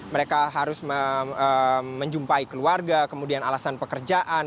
mereka harus menjumpai keluarga kemudian alasan pekerjaan